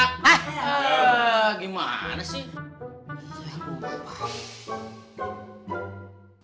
hah gimana sih